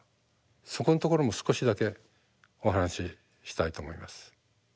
そこのところも少しだけお話ししたいと思います。